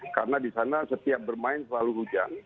karena di sana setiap bermain selalu hujan